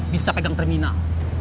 bisa pegang terminal